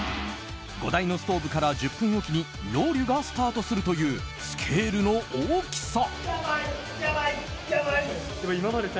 ５台のストーブから１０分おきにロウリュがスタートするというスケールの大きさ！